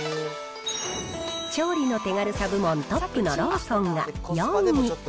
調理の手軽さ部門トップのローソンが４位。